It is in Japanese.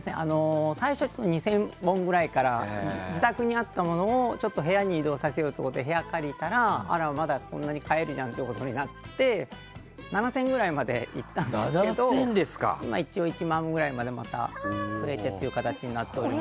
最初、２０００本くらいから自宅にあったものを、ちょっと部屋に移動させようということで部屋を借りたらまだこんなに買えるじゃんっていうことになって７０００くらいまで行ったんですけど一応１万ぐらいまでまた増えてという形になっております。